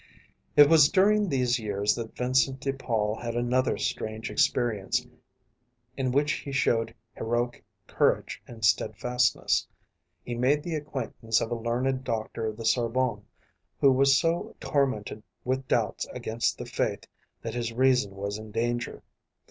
It was during these years that Vincent de Paul had another strange experience in which he showed heroic courage and steadfastness. He made the acquaintance of a learned doctor of the Sorbonne who was so tormented with doubts against the Faith that his reason was in danger.